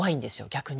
逆に。